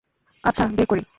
আচ্ছা, বের করি।